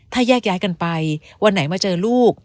ถ้าแยกย้ายกันไปวันไหนมาเจอลูก